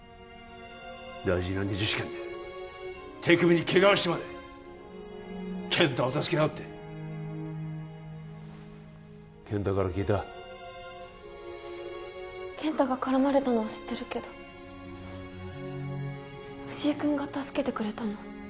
大事な２次試験で手首にケガをしてまで健太を助けやがって健太から聞いた健太がからまれたのは知ってるけど藤井君が助けてくれたの？